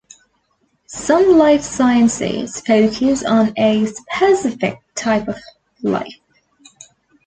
Some life sciences focus on a specific type of life.